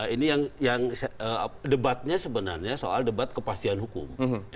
ini yang debatnya sebenarnya soal debat kepastian hukum